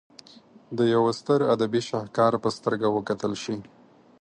د یوه ستر ادبي شهکار په سترګه وکتل شي.